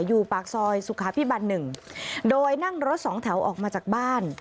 อยู่ปากซอยสุขาพิบัน๑โดยนั่งรถสองแถวออกมาจากบ้าน